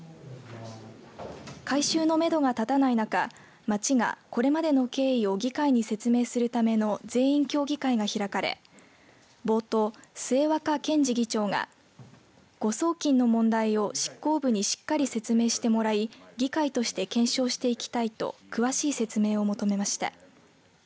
回収のめどが立たない中町がこれまでの経緯を議会に説明するための全員協議会が開かれ冒頭、末若憲二議長が誤送金の問題を執行部にしっかり説明してもらい議会として検証していきたいと詳しい説明を求めました。